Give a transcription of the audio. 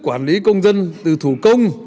quản lý công dân từ thủ công